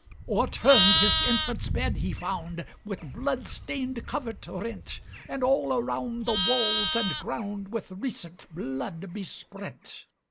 O'erturned his infant's bed he found, With blood stained covert rent; And all around the walls and groundWith recent blood besprent.